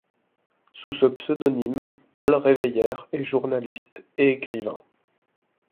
Sous ce pseudonyme, Paul Reveillère est journaliste et écrivain.